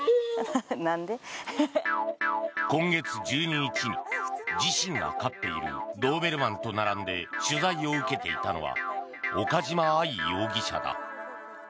今月１２日に自身が飼っているドーベルマンと並んで取材を受けていたのは岡島愛容疑者だ。